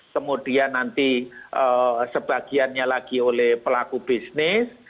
kemudian nanti sebagiannya lagi oleh pelaku bisnis